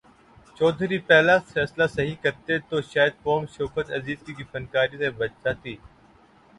چودھری پہلا فیصلہ صحیح کرتے تو شاید قوم شوکت عزیز کی فنکاری سے بچ جاتی۔